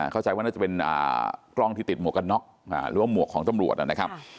เข้าใจว่าน่าจะเป็นกล้องที่ติดหมวกกันน็อกหรือว่าหมวกของตำรวจนะครับ